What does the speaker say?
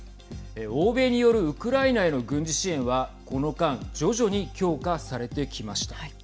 欧米によるウクライナへの軍事支援はこの間徐々に強化されてきました。